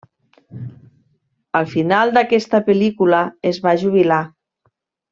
Al final d'aquesta pel·lícula, es va jubilar.